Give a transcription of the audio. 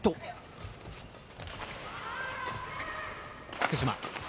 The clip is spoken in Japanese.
福島。